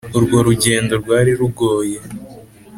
Urwo rugendo rwari rugoye